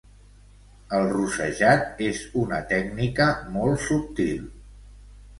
El rossejat és una tècnica molt subtil